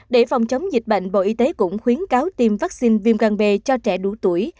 để phòng chống dịch bệnh bộ y tế cũng khuyến cáo tiêm vaccine viêm gan b cho trẻ đủ tuổi